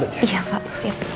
iya pak siap